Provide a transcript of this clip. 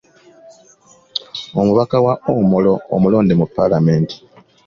Omubaka wa Omoro omulonde mu Paalamenti.